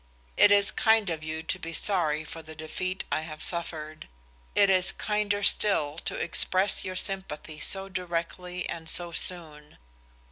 It is kind of you to be sorry for the defeat I have suffered, it is kinder still to express your sympathy so directly and so soon.